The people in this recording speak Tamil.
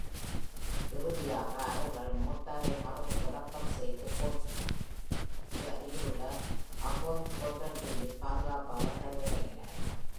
இறுதியாக, அவர்கள் மோட்டாரை மறுதொடக்கம் செய்து, கோடவுன்ஸுக்கு அருகிலுள்ள அகோன்-கோட்டன்வில்லில் பாதுகாப்பாக தரையிறங்கினர்.